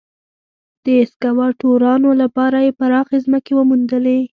د سکواټورانو لپاره یې پراخې ځمکې وموندلې.